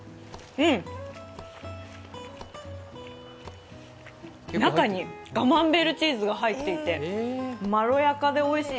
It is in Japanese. うん、中にカマンベールチーズが入っていて、まろやかでおいしい。